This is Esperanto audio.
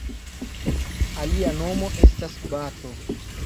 Alia nomo estas bato.